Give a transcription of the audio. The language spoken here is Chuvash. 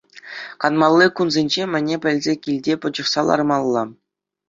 Канмалли кунсенче мӗне пӗлсе килте пӑчӑхса лармалла.